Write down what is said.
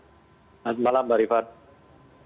selamat malam mbak rifana